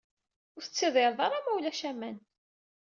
Ur tettidireḍ ara ma ulac aman.